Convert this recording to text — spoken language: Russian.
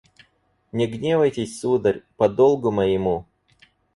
Не гневайтесь, сударь: по долгу моему